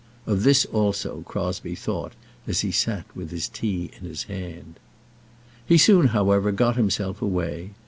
Of this also Crosbie thought as he sat with his tea in his hand. He soon, however, got himself away.